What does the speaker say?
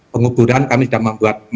penguburan kami sudah membuat